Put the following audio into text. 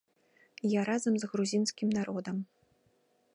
Я разам з грузінскім народам.